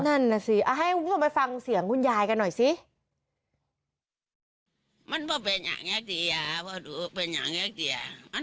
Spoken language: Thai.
นั่นสิเอาให้มันไปฟังเสียงคุณยายกันหน่อยสิ